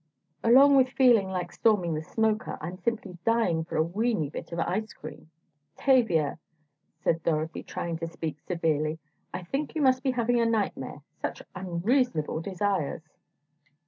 "Along with feeling like storming the smoker, I'm simply dying for a weeny bit of ice cream." "Tavia," said Dorothy, trying to speak severely, "I think you must be having a nightmare, such unreasonable desires!"